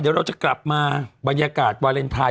เดี๋ยวเราจะกลับมาบรรยากาศวาเลนไทย